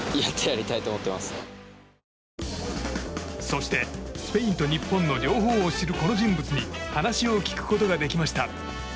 そして、スペインと日本の両方を知るこの人物に話を聞くことができました。